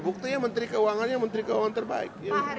buktinya menteri keuangannya menteri keuangan terbaik